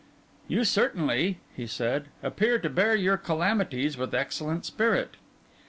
'You certainly,' he said, 'appear to bear your calamities with excellent spirit.